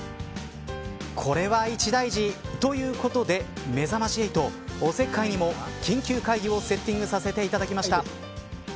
これは一大事ということでめざまし８、おせっかいにも緊急会議をセッティングさせていただきました。